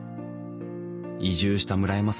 移住した村山さん。